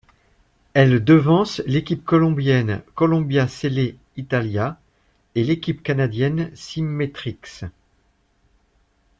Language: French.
Elle devance l'équipe colombienne Colombia-Selle Italia et l'équipe canadienne Symmetrics.